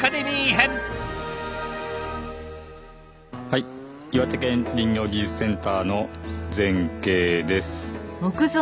はい岩手県林業技術センターの全景です。